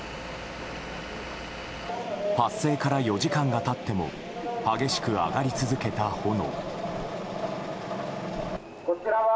発生から４時間が経っても激しく上がり続けた炎。